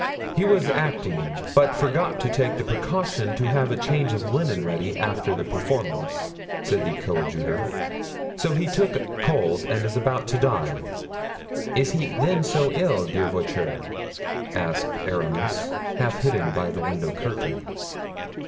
"He was acting, but forgot to take the precaution to have a change of linen ready after the performance," said the coadjutor, "so he took cold and is about to die." "Is he then so ill, dear Voiture?" asked Aramis, half hidden by the window curtain.